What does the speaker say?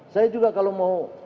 saya juga kalau mau